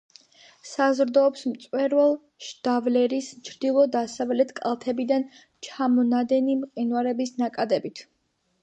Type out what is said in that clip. საზრდოობს მწვერვალ შდავლერის ჩრდილო-დასავლეთ კალთებიდან ჩამონადენი მყინვარების ნაკადებით.